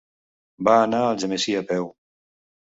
Va anar a Algemesí a peu.